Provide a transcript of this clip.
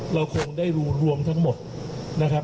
เราคงได้รู้รวมทั้งหมดนะครับ